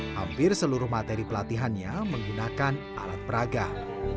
hampir seluruh materi pelatihannya menggunakan alat peragah